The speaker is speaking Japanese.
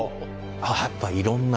やっぱいろんな。